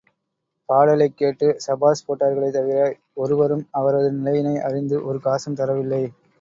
பாடலைக் கேட்டு சபாஷ் போட்டார்களே தவிர, ஒருவரும் அவரது நிலையினை, அறிந்து ஒரு காசும் தரவில்லை.